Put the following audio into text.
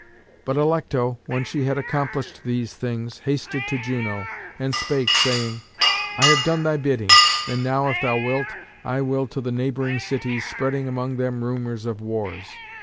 But Alecto, when she had accomplished these things, hasted to Juno, and spake, saying, "I have done thy bidding; and now, if thou wilt, I will to the neighbouring cities, spreading among them rumours of wars."